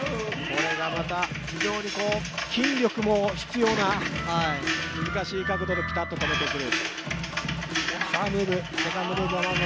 非常に筋力も必要な難しい角度でピタッと止めてくる。